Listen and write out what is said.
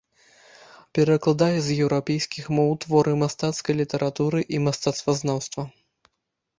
Перакладае з еўрапейскіх моў творы мастацкай літаратуры і мастацтвазнаўства.